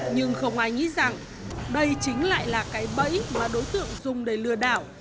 nhưng không ai nghĩ rằng đây chính lại là cái bẫy mà đối tượng dùng để lừa đảo